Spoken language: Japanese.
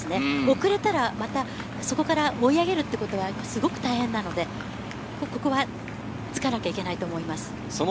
遅れたら、そこから追い上げることはすごく大変なので、ここは、つかなきゃいけないと思います。